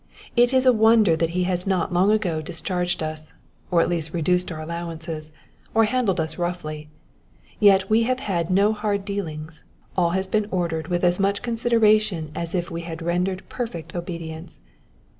It is a wonder that he has not long ago discharged us, or at least reduced our allowances, or handled us roughly ; yet we have had no hard dealings, all has been ordered with as much consideration as if we had rendered perfect obedience.